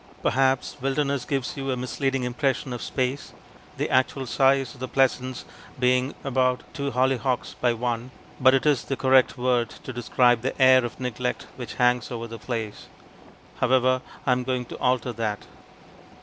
Perhaps "wilderness" gives you a misleading impression of space, the actual size of the pleasaunce being about two hollyhocks by one, but it is the correct word to describe the air of neglect which hangs over the place. However, I am going to alter that.